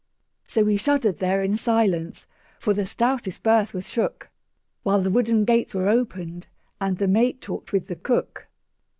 So we shuddered there in silence, For the stoutest berth was shook, While the wooden gates were opened And the mate talked with the cook.